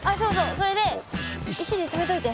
それで石で留めといて。